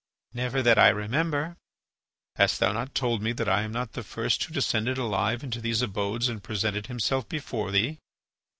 "Never that I remember." "Hast thou not told me that I am not the first who descended alive into these abodes and presented himself before thee?"